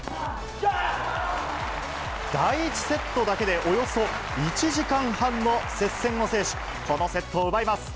第１セットだけでおよそ１時間半の接戦を制し、このセットを奪います。